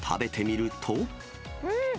うん！